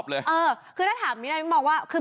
เลือกงาน๕นี้เข้าสอยบ้าน